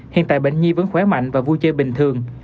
hiện tại bệnh nhi vẫn khỏe mạnh và vui chơi bình thường